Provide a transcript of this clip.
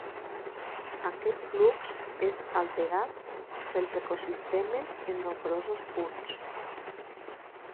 Aquest flux és alterat pels ecosistemes en nombrosos punts.